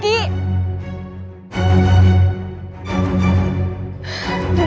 tidak ada pertanyaan